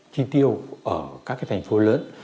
chi tiêu ở các cái thành phố lớn